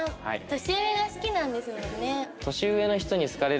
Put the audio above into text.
年上が好きなんですもんね？